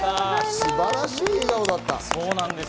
素晴らしい笑顔だった。